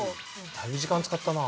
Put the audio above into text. だいぶ時間使ったな。